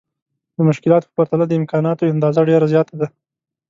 د مشکلاتو په پرتله د امکاناتو اندازه ډېره زياته ده.